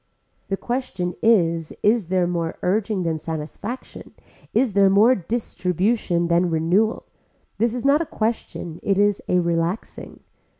The question is is there more urging than satisfaction, is there more distribution than renewal. This is not a question, it is a relaxing.